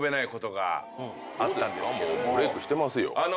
もうブレークしてますよ。